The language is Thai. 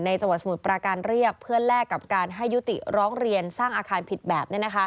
จังหวัดสมุทรปราการเรียกเพื่อแลกกับการให้ยุติร้องเรียนสร้างอาคารผิดแบบ